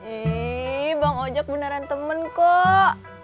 ii bang mojak beneran temen kok